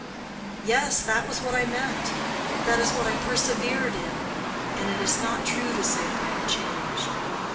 "Yes, that was what I meant. That is what I persevered in. And it is not true to say that I have changed.